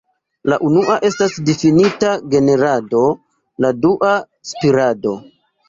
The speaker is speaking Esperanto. La unua estas difinita "generado", la dua "spirado".